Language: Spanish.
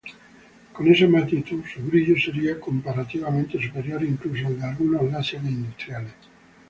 Con esa magnitud, su brillo sería comparativamente superior incluso al de algunos láseres industriales.